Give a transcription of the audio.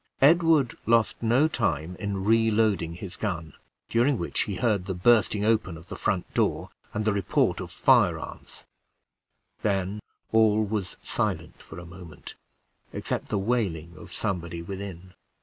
Edward lost no time in reloading his gun, during which he heard the bursting open of the front door and the report of firearms; then all was silent for a moment, excepting the wailing of somebody within.